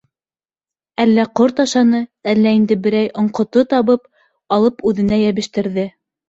Әллә ҡорт ашаны, әллә инде берәй оңҡото табып алып үҙенә йәбештерҙе.